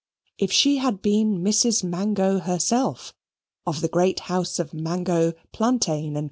If she had been Mrs. Mango herself, of the great house of Mango, Plantain, and Co.